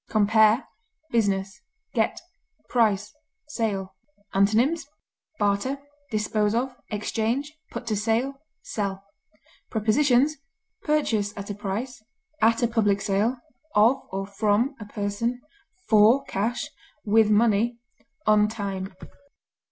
Compare BUSINESS; GET; PRICE; SALE. Antonyms: barter, dispose of, exchange, put to sale, sell. Prepositions: Purchase at a price; at a public sale; of or from a person; for cash; with money; on time.